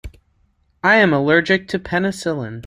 I am allergic to penicillin.